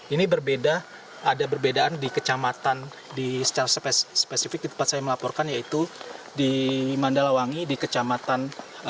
ini berbeda ada perbedaan di kecamatan secara spesifik di tempat saya melaporkan yaitu di mandalawangi di kecamatan